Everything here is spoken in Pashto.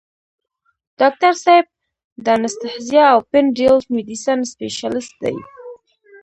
ډاکټر صېب دانستهزيا او پين ريليف ميډيسن سپيشلسټ دے ۔